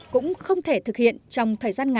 cũng không thể thực hiện trong thời gian này